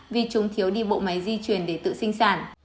vì chúng thiếu đi bộ máy di chuyển để tự sinh sản